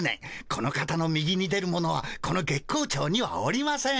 この方の右に出る者はこの月光町にはおりません。